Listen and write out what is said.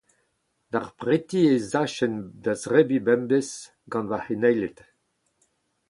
D'ar preti ez afen da zebriñ bemdez gant ma c'heneiled.